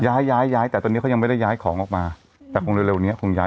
ย้ายย้ายแต่ตอนนี้เขายังไม่ได้ย้ายของออกมาแต่คงเร็วเนี้ยคงย้าย